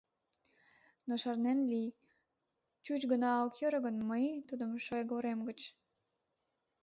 Но шарнен лий: чуч гына ок йӧрӧ гын, мый тудым шоягорем гыч!..